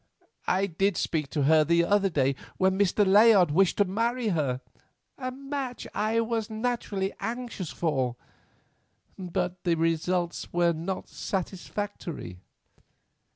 I did speak to her the other day when Mr. Layard wished to marry her, a match I was naturally anxious for, but the results were not satisfactory."